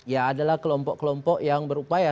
ya adalah kelompok kelompok yang berupaya